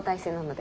で？